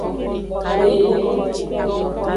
Migu.